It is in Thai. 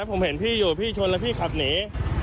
ผมเห็นพี่อยู่พี่ชนแล้วพี่ขับหนี